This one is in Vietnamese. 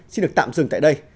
xin được tạm dừng tại đây